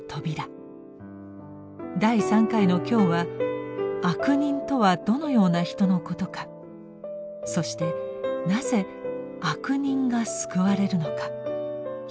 第３回の今日は悪人とはどのような人のことかそしてなぜ悪人が救われるのかひもといてゆきます。